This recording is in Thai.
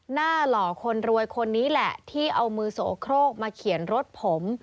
หล่อคนรวยคนนี้แหละที่เอามือโสโครกมาเขียนรถผม